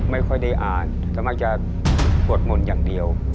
ไม่ค่อยได้อ่านแต่มักจะปวดหม่นอย่างเดียว